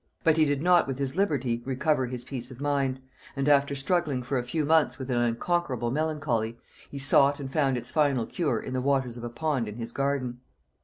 But he did not with his liberty recover his peace of mind; and after struggling for a few months with an unconquerable melancholy, he sought and found its final cure in the waters of a pond in his garden.